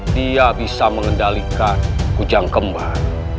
dia bisa mengendalikan hujan kembar